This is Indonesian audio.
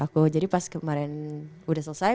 aku jadi pas kemarin udah selesai